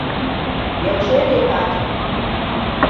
Yaushe ne fatin?